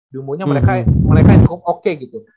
di umurnya mereka yang cukup oke gitu